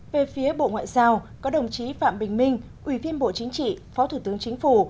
về phía bộ ngoại giao có đồng chí phạm bình minh ủy viên bộ chính trị phó thủ tướng chính phủ